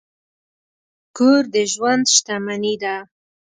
کور د ژوند شتمني ده.